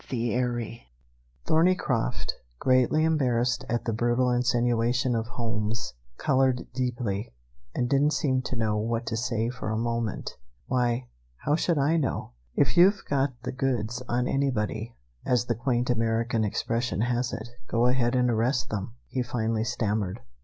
CHAPTER X Thorneycroft, greatly embarrassed at the brutal insinuation of Holmes, colored deeply, and didn't seem to know what to say for a moment. "Why, how should I know? If you've got the goods on anybody, as the quaint American expression has it, go ahead and arrest them," he finally stammered.